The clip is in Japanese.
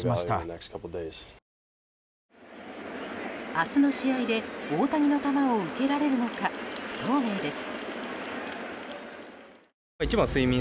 明日の試合で大谷の球を受けられるのか不透明です。